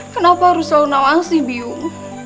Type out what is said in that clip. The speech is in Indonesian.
kenapa harus selalu nawang sih biyung